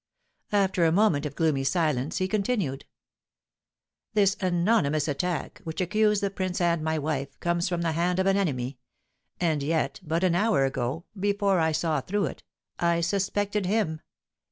After a moment of gloomy silence, he continued: "This anonymous attack, which accused the prince and my wife, comes from the hand of an enemy; and yet, but an hour ago, before I saw through it, I suspected him.